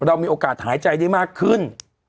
ว่าเรามีโอกาสหายใจได้มากขึ้น